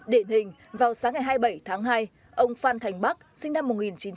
để hình vào sáng ngày hai mươi bảy tháng hai ông phan thành bắc sinh năm một nghìn chín trăm tám mươi bảy